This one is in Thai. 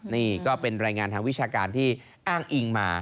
นี่ก็เป็นรายงานทางวิชาการที่อ้างอิงมา